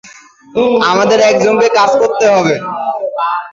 আমাদের একজনকে কাজ করতে হবে।